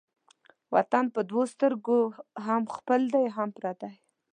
وطن په دوو سترگو هم خپل دى هم پردى.